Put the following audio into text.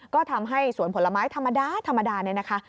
ก็ทำให้สวนผลไม้ธรรมดาธรรมดาเนี่ยนะคะ